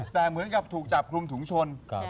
แต่เหมือนกับถูกจับกลุ่มถุงชน